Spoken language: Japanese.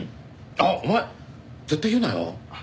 あっお前絶対言うなよ！